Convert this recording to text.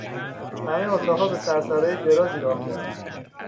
همهی اتاقها به سر سرای درازی راه دارند.